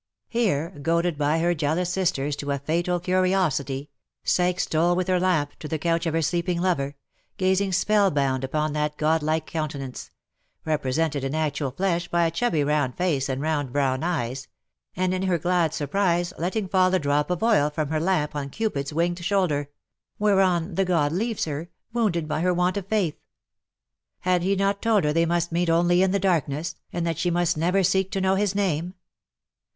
Here — goaded by her jealous sisters to a fatal curiosity — Psyche stole with her lamp to the couch of her sleeping lover, gazing spell bound upon that godlike countenance — represented in actual flesh by a chubby round face and round brown eyes — and in her glad surprise letting fall a drop of oil from her lamp on Cupid^s winged shoulder — whereon the god leaves her, wounded by her want of faith. Had he not told her they must meet only in the darkness, and that she must never seek to know his name